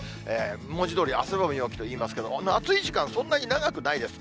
文字どおり、汗ばむ陽気といいますけど、暑い時間、そんなに長くないです。